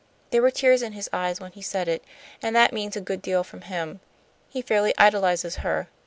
There were tears in his eyes when he said it, and that means a good deal from him. He fairly idolizes her.